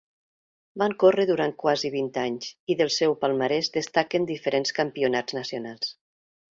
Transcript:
Va córrer durant quasi vint anys i del seu palmarès destaquen diferents campionats nacionals.